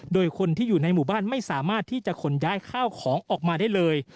โดยคนที่อยู่ในหมู่บ้านไม่สามารถที่จะขนย้ายข้าวของออกมาได้เลย